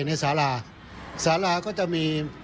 ช่วยให้สามารถสัมผัสถึงความเศร้าต่อการระลึกถึงผู้ที่จากไป